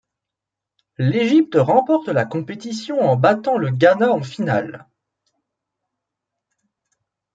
L'Égypte remporte la compétition en battant le Ghana en finale.